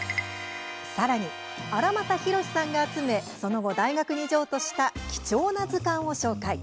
さらに、荒俣宏さんが集めその後、大学に譲渡した貴重な図鑑を紹介。